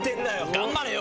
頑張れよ！